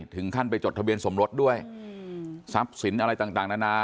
ถึงขั้นไปจดทะเบียนสมรสด้วยทรัพย์สินอะไรต่างนานา